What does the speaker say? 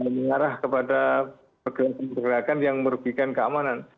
mengarah kepada pegawai pegawai yang merugikan keamanan